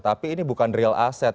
tapi ini bukan real asset